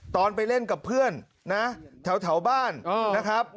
๒๐๐๐๖๔ตอนไปเล่นกับเพื่อน๒๕๖นะแถวแถวบ้านนะครับ